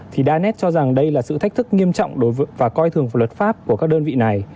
thì đa nét cho rằng đây là sự thách thức nghiêm trọng và coi thường vào luật pháp của các đơn vị này